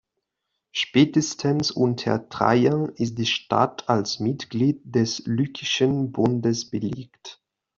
Spätestens unter Trajan ist die Stadt als Mitglied des Lykischen Bundes belegt.